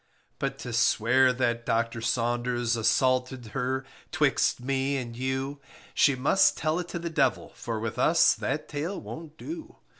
But to swear that Docter Saunders Assaulted her, 'twixt me and you, She must tell it to the devil, For with us that tale won't do.